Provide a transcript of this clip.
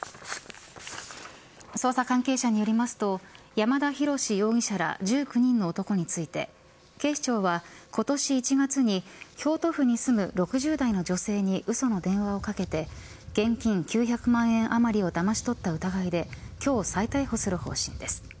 捜査関係者によりますと山田大志容疑者ら１９人の男について警視庁は今年１月に京都府に住む６０代の女性にうその電話をかけて現金９００万円余りをだまし取った疑いで今日、再逮捕する方針です。